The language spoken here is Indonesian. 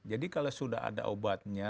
jadi kalau sudah ada obatnya